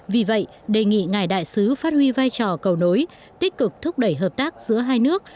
vì vậy đề nghị ngài đại sứ phát huy vai trò cầu nối tích cực thúc đẩy hợp tác giữa hai nước